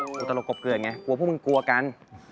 กลัวตลกกบเกิดไงกลัวพวกมึงกลัวกัน